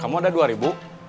kamu ada rp dua